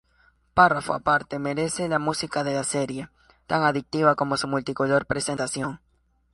Párrafo aparte merece la música de la serie, tan adictiva como su multicolor presentación.